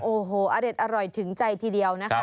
โอ้โหอเด็ดอร่อยถึงใจทีเดียวนะคะ